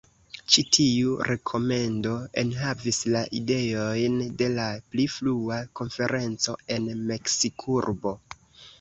Ĉi tiu rekomendo enhavis la ideojn de la pli frua konferenco en Meksikurbo.